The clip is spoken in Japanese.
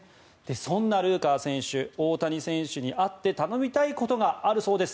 そんなルーカー選手大谷選手に会って頼みたいことがあるそうです。